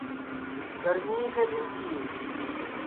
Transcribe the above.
گرمئیں کے دِؔن تِیے